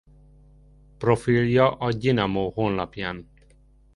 Profilja a Gyinamo honlapján